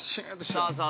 ◆さあさあ、